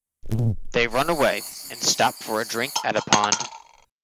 They run away and stop for a drink at a pond.